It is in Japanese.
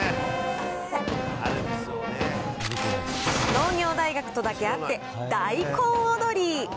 農業大学とだけあって、大根踊り。